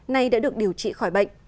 nay đã được điều trị khỏi bệnh